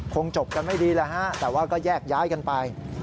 คงจบกันไม่ดีแล้วฮะแต่ว่าก็แยกย้ายกันไป